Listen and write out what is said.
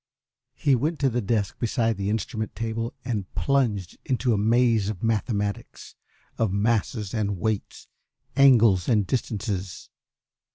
He went to the desk beside the instrument table and plunged into a maze of mathematics, of masses and weights, angles and distances.